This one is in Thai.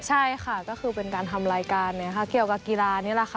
ใช่ค่ะก็คือเป็นการทำรายการเกี่ยวกับกีฬานี่แหละค่ะ